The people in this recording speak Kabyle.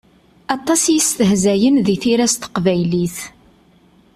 Aṭas i yestehzayen di tira s teqbaylit.